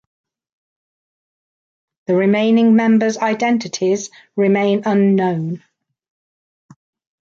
The remaining members' identities remain unknown.